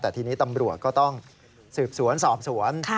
แต่ทีนี้ตำรวจก็ต้องสืบสวนสอบสวน